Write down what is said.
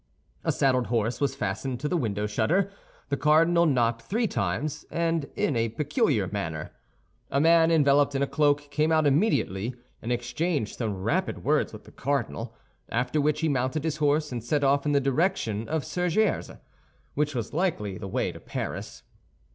A saddled horse was fastened to the window shutter. The cardinal knocked three times, and in a peculiar manner. A man, enveloped in a cloak, came out immediately, and exchanged some rapid words with the cardinal; after which he mounted his horse, and set off in the direction of Surgères, which was likewise the way to Paris.